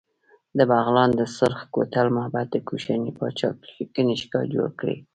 د بغلان د سورخ کوتل معبد د کوشاني پاچا کنیشکا جوړ کړی